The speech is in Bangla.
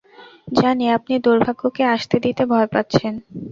জানি আপনি দুর্ভাগ্যকে আসতে দিতে ভয় পাচ্ছেন।